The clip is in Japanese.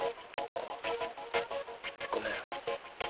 あっごめん。